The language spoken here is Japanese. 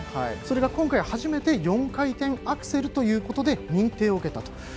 それが今回、初めて４回転アクセルということで認定を受けたと。